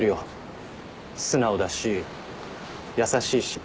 素直だし優しいし。